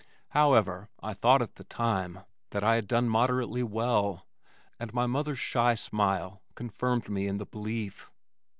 However, I thought at the time that I had done moderately well, and my mother's shy smile confirmed me in the belief.